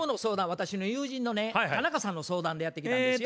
私の友人のね田中さんの相談でやって来たんですよ。